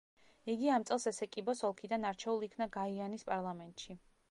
იგი ამ წელს ესეკიბოს ოლქიდან არჩეულ იქნა გაიანის პარლამენტში.